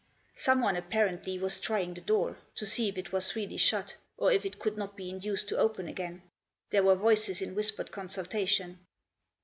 Someone, apparently, was trying the door ; to see if it was really shut ; or if it could not be induced to open again. There were voices in whispered consultation.